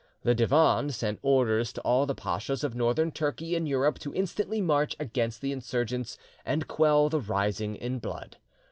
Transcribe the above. The Divan sent orders to all the pachas of Northern Turkey in Europe to instantly march against the insurgents and quell the rising in blood.